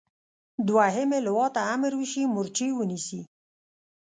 دوهمې لواء ته امر وشي مورچې ونیسي.